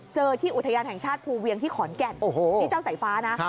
ที่อุทยานแห่งชาติภูเวียงที่ขอนแก่นโอ้โหนี่เจ้าสายฟ้านะ